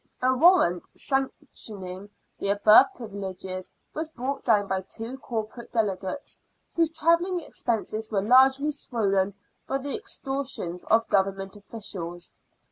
A warrant sanctioning the above privileges was brought down by two corporate delegates, whose travelling BRISTOL FARTHING. 69 expenses were largely swollen by the extortions of Government officials.